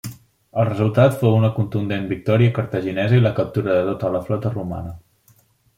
El resultat fou una contundent victòria cartaginesa i la captura de tota la flota romana.